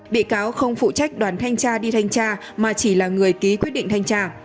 bị cáo không phụ trách đoàn thanh tra đi thanh tra mà chỉ là người ký quyết định thanh tra